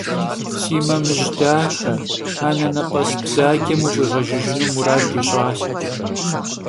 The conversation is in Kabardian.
Si mamıj daxe, anenep'es bzacem vuf'iğejjıjjınu murad yiş'aş.